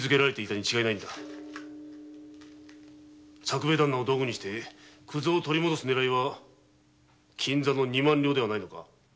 作兵衛ダンナを道具にして九蔵を取り戻す狙いは金座の二万両ではないのか？